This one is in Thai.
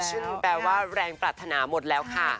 แพชชนแปลว่าแรงปรัฐนาหมดแล้วค่ะ